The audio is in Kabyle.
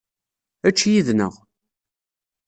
Ečč yid-neɣ.